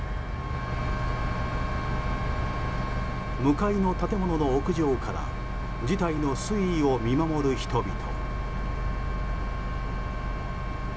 向かいの建物の屋上から事態の推移を見守る人々。